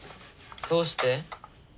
どうして？